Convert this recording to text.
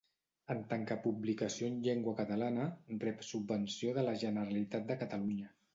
En tant que publicació en llengua catalana, rep subvenció de la Generalitat de Catalunya.